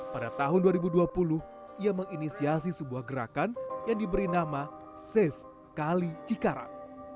pada tahun dua ribu dua puluh ia menginisiasi sebuah gerakan yang diberi nama safe kali cikarang